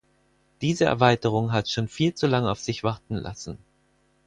Diese Erweiterung hat schon viel zu lange auf sich warten lassen.